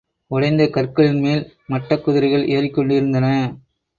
உடைந்த கற்களின்மேல், மட்டக் குதிரைகள் ஏறிக்கொண்டிருந்தன.